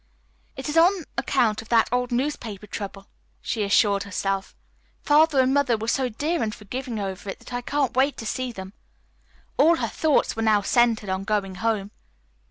"It is on account of that old newspaper trouble," she assured herself. "Father and Mother were so dear and forgiving over it that I can't wait to see them." All her thoughts were now centered on going home.